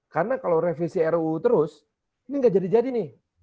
karena kalau revisi ruu terus ini gak jadi jadi nih